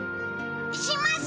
します。